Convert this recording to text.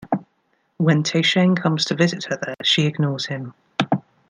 When Taisheng comes to visit her there, she ignores him.